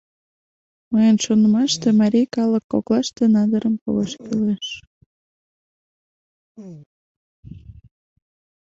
Мыйын шонымаште, марий калык коклаште надырым погаш кӱлеш.